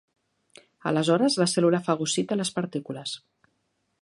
Aleshores la cèl·lula fagocita les partícules.